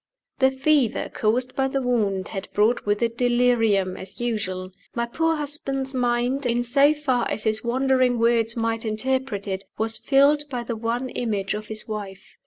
The fever caused by the wound had brought with it delirium, as usual. My poor husband's mind, in so far as his wandering words might interpret it, was filled by the one image of his wife.